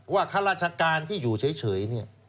ว่าราชการที่อยู่เฉย